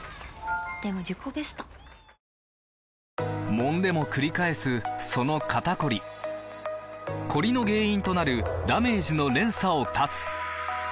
もんでもくり返すその肩こりコリの原因となるダメージの連鎖を断つ！